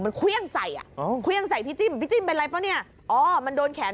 มันกลับมาที่สุดท้ายแล้วมันกลับมาที่สุดท้ายแล้ว